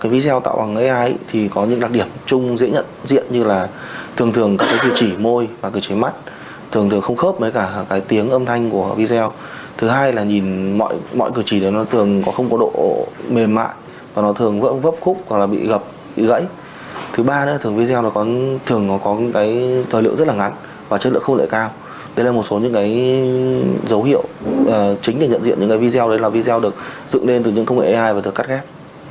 video có thời liệu rất ngắn và chất lượng không lợi cao đây là một số dấu hiệu chính để nhận diện video được dựng lên từ công nghệ ai và được cắt ghép